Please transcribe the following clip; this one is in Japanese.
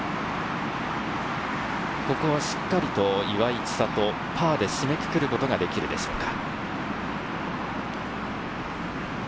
ここはしっかりと岩井千怜、パーで締めくくることができるでしょうか？